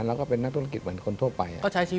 แล้วก็เป็นนักธุรกิจเหมือนคนทั่วไป